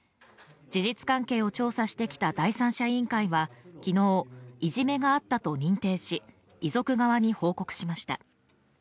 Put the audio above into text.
事実関係を調査してきた第三者委員会は昨日いじめがあったと認定し遺族側に報告しました。